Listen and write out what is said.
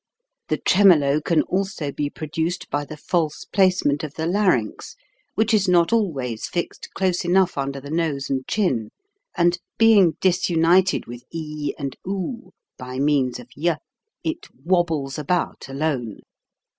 The tremolo can also be produced by the false placement of the larynx which is not always fixed close enough under the nose and chin, and being disunited with e and do by means of y it wobbles about alone.